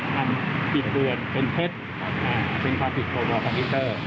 ทำผิดเบือนเป็นเพศเป็นความผิดโปรเวอร์คอมพิวเตอร์